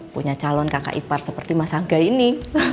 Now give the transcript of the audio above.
punya calon kakak ipar seperti mas angga ini